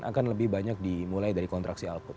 akan lebih banyak dimulai dari kontraksi alput